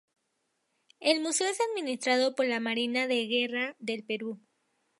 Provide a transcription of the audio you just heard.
El museo es administrado por la Marina de Guerra del Perú.